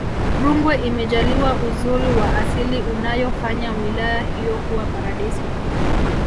rungwe imejaliwa uzuri wa asili unayofanya wilaya hiyo kuwa paradiso